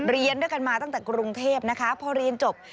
เรียนด้วยกันมาตั้งแต่กรุงเทพนะคะพอเรียนจบ